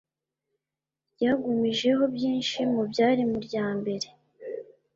ryagumijeho byinshi mu byari mu rya mbere